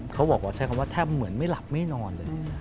เขาบอกว่าใช้คำว่าแทบเหมือนไม่หลับไม่นอนเลย